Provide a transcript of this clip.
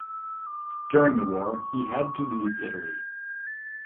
During the war, he had to leave Italy.